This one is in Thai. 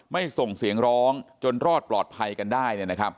ส่งเสียงร้องจนรอดปลอดภัยกันได้